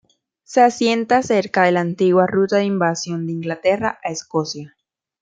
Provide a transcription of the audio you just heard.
Se asienta cerca de la antigua ruta de invasión de Inglaterra a Escocia.